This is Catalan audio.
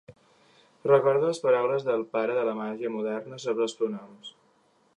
Recorda les paraules del pare de la màgia moderna sobre els pronoms.